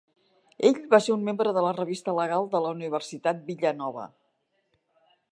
Ell va ser un membre de la Revista Legal de la Universitat Villanova.